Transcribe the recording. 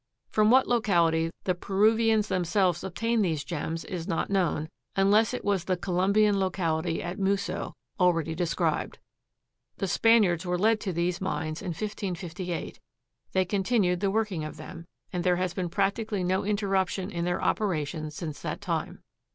From what locality the Peruvians themselves obtained these gems is not known, unless it was the Colombian locality at Muso, already described. The Spaniards were led to these mines in 1558. They continued the working of them, and there has been practically no interruption in their operation since that time.